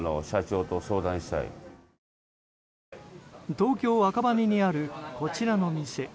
東京・赤羽にあるこちらの店。